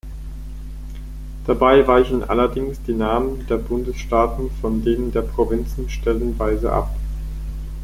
Dabei weichen allerdings die Namen der Bundesstaaten von denen der Provinzen stellenweise ab.